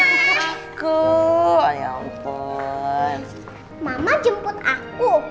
ru brussels aku iya pon moment jemput aku